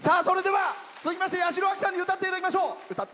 続きまして八代亜紀さんに歌っていただきましょう。